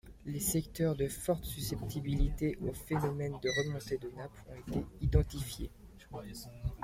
Les secteurs de forte susceptibilité au phénomène de remontée de nappe ont été identifiés.